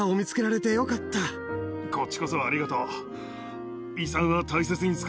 こっちこそありがとう。